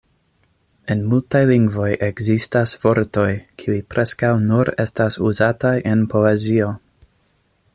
En multaj lingvoj ekzistas vortoj, kiuj preskaŭ nur estas uzataj en poezio.